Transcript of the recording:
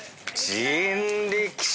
人力車！